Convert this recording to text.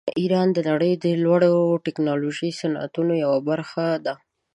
ایران د نړۍ د لوړو ټیکنالوژیکو صنعتونو یوه برخه ده.